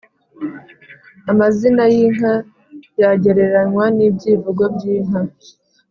amazina y’inka yagereranywa n’ibyivugo by’inka